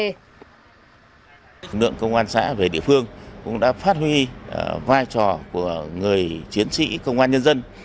lực lượng công an xã về địa phương cũng đã phát huy vai trò của người chiến sĩ công an nhân dân